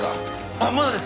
あっまだです。